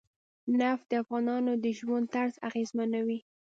نفت د افغانانو د ژوند طرز اغېزمنوي.